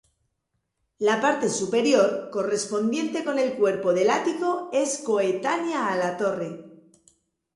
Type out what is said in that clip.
La parte superior, correspondiente con el cuerpo del ático, es coetánea a la torre.